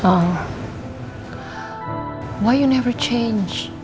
kenapa kamu tak pernah berubah